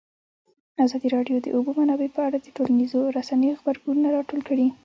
ازادي راډیو د د اوبو منابع په اړه د ټولنیزو رسنیو غبرګونونه راټول کړي.